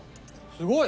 すごい！